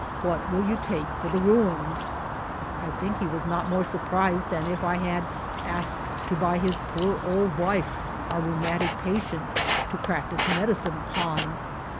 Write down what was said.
What will you take for the ruins ? I think he was not more surprised than if I had asked to buy his poor old wife, our rheumatic patient, to practice medicine upon.